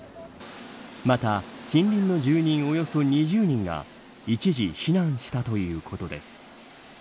また近隣の住民およそ２０人が一時避難したということです。